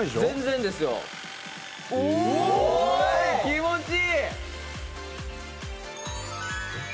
気持ちいい！